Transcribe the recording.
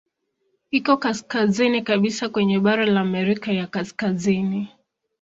Iko kaskazini kabisa kwenye bara la Amerika ya Kaskazini.